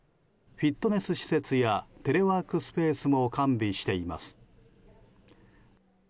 フィットネス施設やテレワークスペースも完備しています。